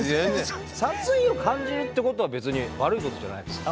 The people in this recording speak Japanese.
殺意を感じるってことは別に悪いことじゃないですからね。